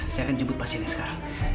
saya akan jemput pasiennya sekarang